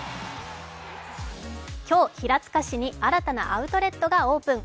今日、平塚市に新たなアウトレットがオープン。